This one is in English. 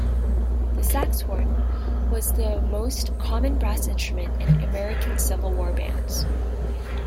The saxhorn was the most common brass instrument in American Civil War bands.